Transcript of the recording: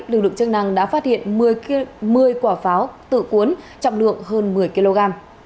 lực lượng chức năng đã phát hiện một mươi quả pháo tự cuốn trọng lượng hơn một mươi kg